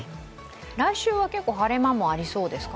来週は、結構晴れ間もありそうですか？